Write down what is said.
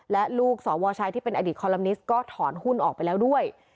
และลูกสวชัยที่เป็นอดีตคอลลัมนิสก็ถอนหุ้นออกไปแล้วด้วย